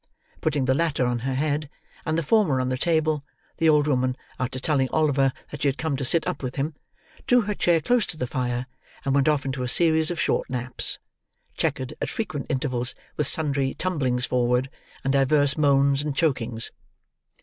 Putting the latter on her head and the former on the table, the old woman, after telling Oliver that she had come to sit up with him, drew her chair close to the fire and went off into a series of short naps, chequered at frequent intervals with sundry tumblings forward, and divers moans and chokings.